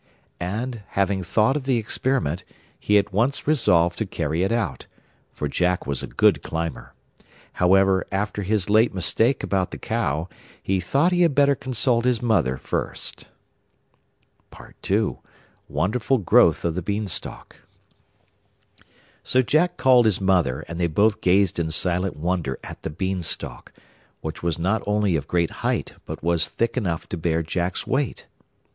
And, having thought of the experiment, he at once resolved to carry it out, for Jack was a good climber. However, after his late mistake about the cow, he thought he had better consult his mother first. WONDERFUL GROWTH OF THE BEANSTALK So Jack called his mother, and they both gazed in silent wonder at the Beanstalk, which was not only of great height, but was thick enough to bear Jack's weight.